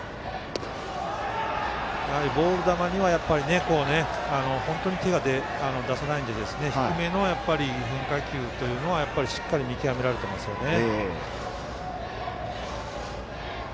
ボール球には本当に手を出さないので低めの変化球というのはしっかり見極められてますよね。